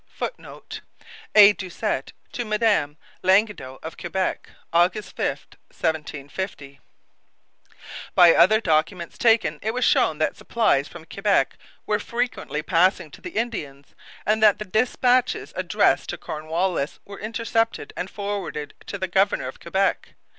[Footnote: A. Doucet to Mde Langedo of Quebec, August 5, 1750.] By other documents taken it was shown that supplies from Quebec were frequently passing to the Indians, and that the dispatches addressed to Cornwallis were intercepted and forwarded to the governor of Quebec.